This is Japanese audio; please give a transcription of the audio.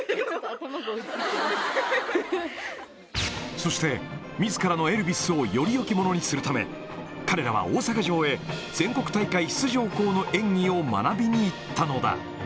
そしてみずからのエルヴィスをよりよきものにするため、彼らは大阪城へ、全国大会出場校の演技を学びに行ったのだ。